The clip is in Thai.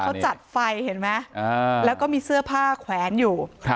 เขาจัดไฟเห็นไหมแล้วก็มีเสื้อผ้าแขวนอยู่